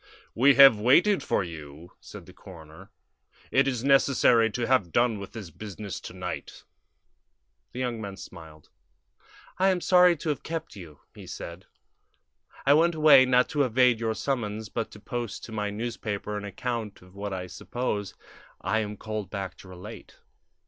"We have waited for you," said the coroner. "It is necessary to have done with this business to night." The young man smiled. "I am sorry to have kept you," he said. "I went away, not to evade your summons, but to post to my newspaper an account of what I suppose I am called back to relate."